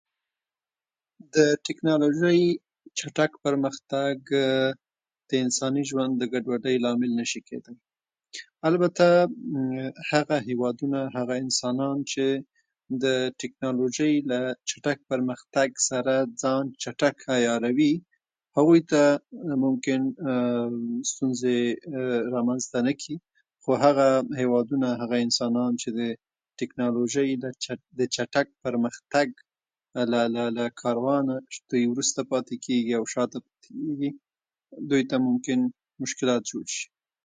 ۳. هغه وويل چې هغه به راځي، خو کله چې هغه رانغی، نو پوه شوم چې د هغه ويل يوازې ويل پاتې شول.